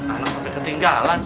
anak sampai ketinggalan